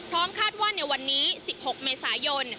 คาดว่าในวันนี้๑๖เมษายน